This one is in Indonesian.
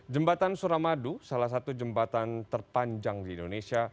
jembatan suramadu salah satu jembatan terpanjang di indonesia